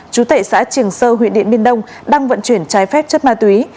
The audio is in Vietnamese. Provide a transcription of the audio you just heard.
chú tệ xã trường sơ huyện điện biên đông đang vận chuyển trái phép chất ma túy